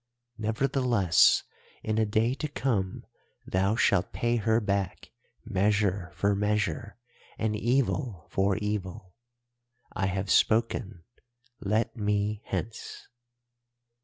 Nevertheless, in a day to come thou shalt pay her back measure for measure, and evil for evil. I have spoken. Let me hence.